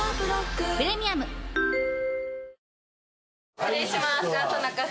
失礼します。